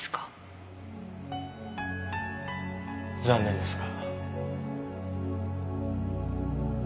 残念ですが。